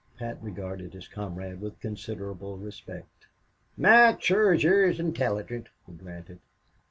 Pat regarded his comrade with considerable respect. "Mac, shure yez is intilligint," he granted.